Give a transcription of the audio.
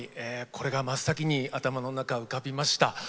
これが真っ先に頭の中浮かびました。